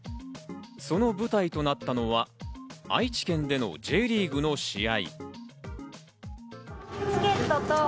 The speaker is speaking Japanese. その舞台となったのは、愛知県でのＪリーグの試合。